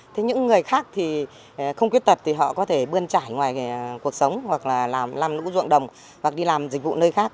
thế những người khác thì không khuyết tật thì họ có thể bươn trải ngoài cuộc sống hoặc là làm lũ ruộng đồng hoặc đi làm dịch vụ nơi khác